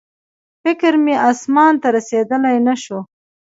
فکر مې اسمان ته رسېدی نه شو